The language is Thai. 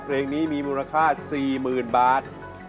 เพลงนี้มีมูลค่า๔๐๐๐บาท